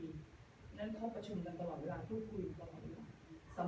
นั่งเข้าประชุมกันตลอดเวลาพูดคุยตลอด